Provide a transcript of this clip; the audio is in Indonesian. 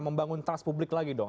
membangun trust publik lagi dong